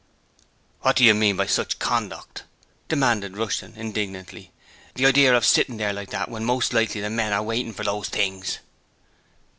'What do you mean by sich conduct?' demanded Rushton, indignantly. 'The idear of sitting there like that when most likely the men are waiting for them things?'